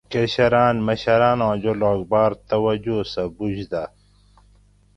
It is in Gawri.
کشران مشراناں جولاگ باۤر توجہ سہ بُج دہ